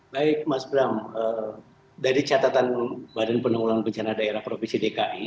baik mas bram dari catatan badan penanggulangan bencana daerah provinsi dki